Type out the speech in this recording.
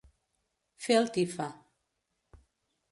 Fer el tifa.